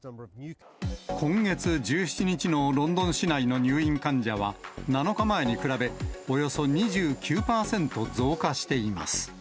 今月１７日のロンドン市内の入院患者は、７日前に比べ、およそ２９％増加しています。